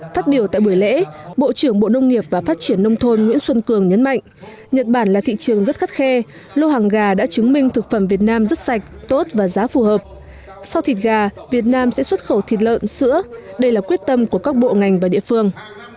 phát biểu tại buổi lễ bộ trưởng bộ nông nghiệp và phát triển nông thôn nguyễn xuân cường nhấn mạnh nhật bản là thị trường rất khắt khe lô hàng gà đã chứng minh thực phẩm việt nam rất sạch tốt và giá phù hợp sau thịt gà việt nam sẽ xuất khẩu thịt lợn sữa đây là quyết tâm của các bộ ngành và địa phương